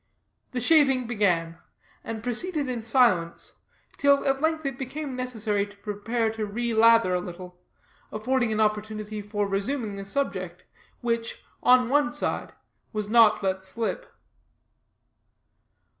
The shaving began, and proceeded in silence, till at length it became necessary to prepare to relather a little affording an opportunity for resuming the subject, which, on one side, was not let slip.